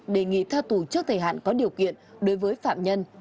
đề nghị tha tù trước thời hạn có điều kiện đối với phạm nhân